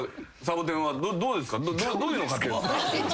どういうの買ってんですか？